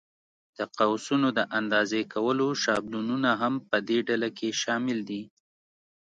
د قوسونو د اندازې کولو شابلونونه هم په دې ډله کې شامل دي.